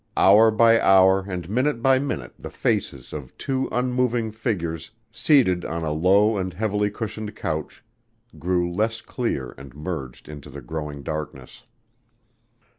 Hour by hour and minute by minute the faces of two unmoving figures seated on a low and heavily cushioned couch grew less clear and merged into the growing darkness.